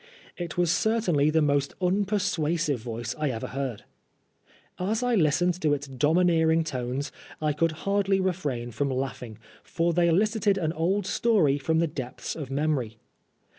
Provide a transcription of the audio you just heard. It was certainly the most unpersuasive voice I ever heard. As I listened to its domineering tones I could hardly refrain from laughing, for they elicited an old story from the depths of memory.